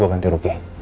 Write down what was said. gue ganti ruki